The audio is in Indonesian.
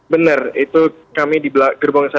benar itu kami di gerbong